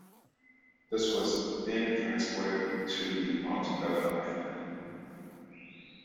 This was then transported to the Monte Bello Islands.